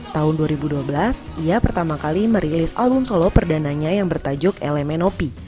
tahun dua ribu dua belas ia pertama kali merilis album solo perdananya yang bertajuk lmnop